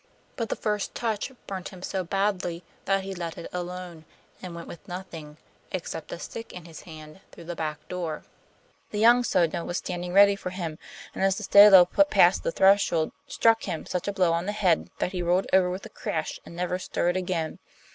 But the first touch burnt him so badly that he let it alone, and went with nothing, except a stick in his hand, through the back door. The young Sodno was standing ready for him, and as the Stalo passed the threshold struck him such a blow on the head that he rolled over with a crash and never stirred again.